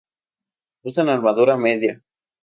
Usan armadura media.